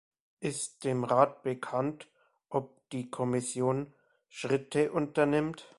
Ist dem Rat bekannt, ob die Kommission Schritte unternimmt?